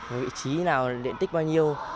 vị trí nào điện tích bao nhiêu